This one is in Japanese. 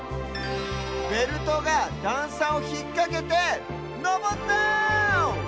ベルトがだんさをひっかけてのぼった！